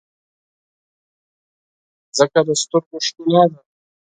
مځکه د سترګو ښکلا ده.